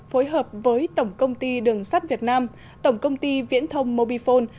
phối hợp với tổng công ty đường sắt việt nam tổng công ty viễn thông mobifone